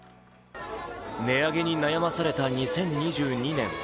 値上げに悩まされた２０２２年。